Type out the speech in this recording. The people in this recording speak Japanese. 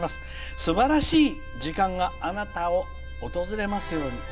すばらしい時間があなたに訪れますように。